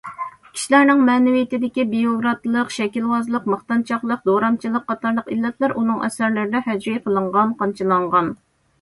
كىشىلەرنىڭ مەنىۋىيىتىدىكى بىيۇروكراتلىق، شەكىلۋازلىق، ماختانچاقلىق، دورامچىلىق قاتارلىق ئىللەتلەر ئۇنىڭ ئەسەرلىرىدە ھەجۋىي قىلىنغان، قامچىلانغان.